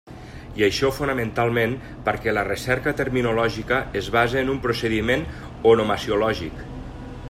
I això fonamentalment perquè la recerca terminològica es basa en un procediment onomasiològic.